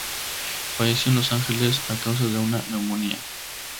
Falleció en Los Ángeles a causa de una neumonía.